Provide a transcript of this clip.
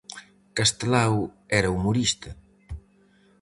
Castelao era humorista.